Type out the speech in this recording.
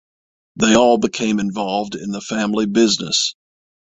They all became involved in the family business.